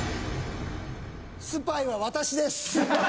スパイは私です。